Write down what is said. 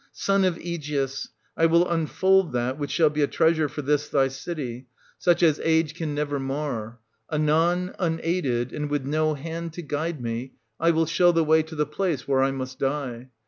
Son of Aegeus, I will unfold that which shall be a treasure for this thy city, such as age can never 1520— IS48] OEDIPUS AT COLONUS. 115 mar. Anon, unaided, and with no hand to guide me, I 1520 will show the way to the place where I must die.